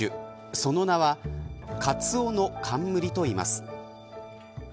その名はカツオノカンムリといいます。